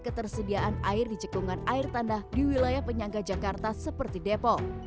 ketersediaan air di cekungan air tanah di wilayah penyangga jakarta seperti depok